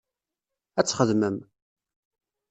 Ad txedmem.